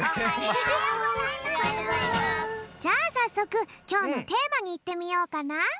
じゃあさっそくきょうのテーマにいってみようかな。